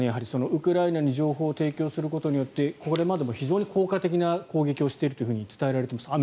ウクライナに情報を提供することによってこれまでも非常に効果的に攻撃をしていると伝えられています。